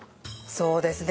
そうですね